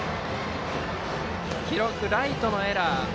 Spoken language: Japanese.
記録はライトのエラー。